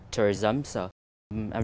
tôi cảm thấy